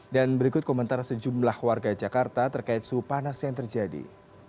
dan berikut komentar sejumlah warga jakarta terkait suhu panas yang terjadi